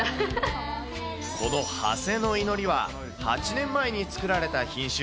この長谷の祈りは、８年前に作られた品種。